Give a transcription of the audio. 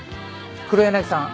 黒柳さん